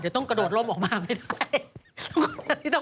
จะต้องกระโดดลมออกมาไม่ได้